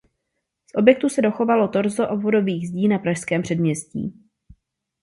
Z objektu se dochovalo torzo obvodových zdí na Pražském předměstí.